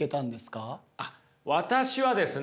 あっ私はですね